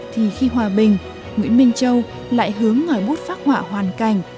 thì khi hòa bình nguyễn minh châu lại hướng ngải bút phát họa hoàn cảnh